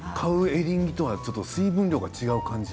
エリンギとは水分量が違う感じ。